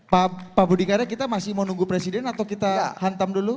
pak budi karya kita masih mau nunggu presiden atau kita hantam dulu